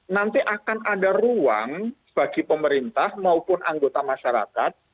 nanti akan ada ruang bagi pemerintah maupun anggota masyarakat